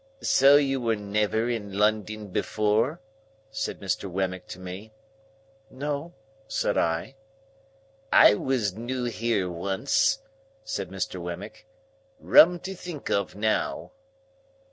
"So you were never in London before?" said Mr. Wemmick to me. "No," said I. "I was new here once," said Mr. Wemmick. "Rum to think of now!"